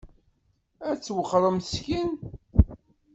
Ad twexxṛemt syin?